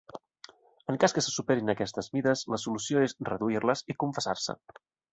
En cas que se superin aquestes mides, la solució és reduir-les i confessar-se.